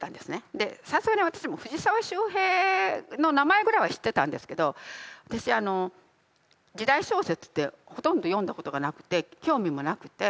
でさすがに私も藤沢周平の名前ぐらいは知ってたんですけど私時代小説ってほとんど読んだことがなくて興味もなくて。